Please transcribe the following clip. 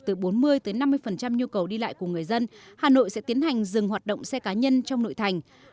từ bốn mươi năm mươi nhu cầu đi lại của người dân hà nội sẽ tiến hành dừng hoạt động xe cá nhân trong nội thành